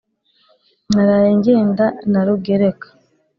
Naraye ngenda na Rugereka ;